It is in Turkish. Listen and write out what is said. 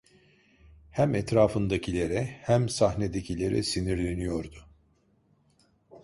Hem etrafındakilere, hem sahnedekilere sinirleniyordu.